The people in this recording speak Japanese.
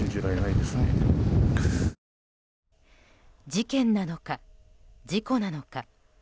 事件なのか、事故なのか。